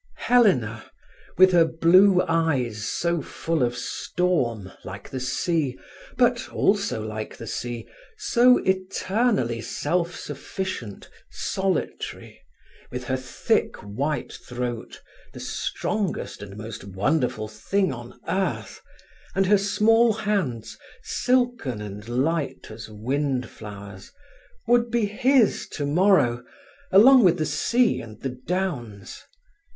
Helena, with her blue eyes so full of storm, like the sea, but, also like the sea, so eternally self sufficient, solitary; with her thick white throat, the strongest and most wonderful thing on earth, and her small hands, silken and light as wind flowers, would be his tomorrow, along with the sea and the downs.